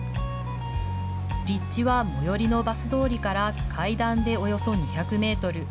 立地は、最寄りのバス通りから階段でおよそ２００メートル。